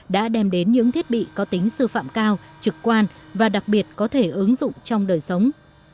đã đem đến những thiết bị có tính sư phạm cao trực quan và đặc biệt có thể ứng dụng trong đời sống